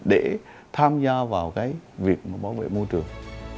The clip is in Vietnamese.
để tham gia vào việc bảo vệ môi trường